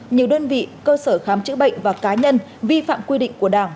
nhiều đơn vị cơ sở khám chữa bệnh và cá nhân vi phạm quy định của đảng